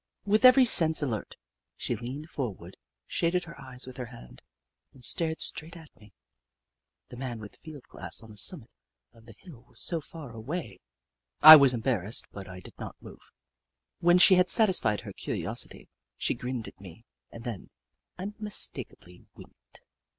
With every sense alert, she leaned forward, shaded her eyes with her hand, and stared straight at me — the man with the field glass on the summit of the hill so far away. I was 146 The Book of Clever Beasts embarrassed, but I did not move. When she had satisfied her curiosity, she grinned at me and then, unmistakably, winked.